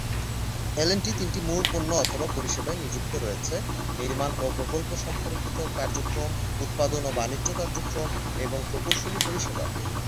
L and T তিনটি মূল পণ্য/পরিষেবায় নিযুক্ত রয়েছে: নির্মাণ ও প্রকল্প সম্পর্কিত কার্যক্রম; উৎপাদন ও বাণিজ্য কার্যক্রম; এবং প্রকৌশলী পরিষেবা।